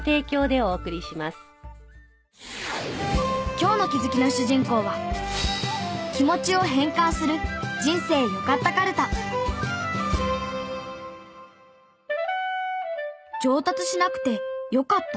今日の気づきの主人公は気持ちを変換する「上達しなくてよかった」？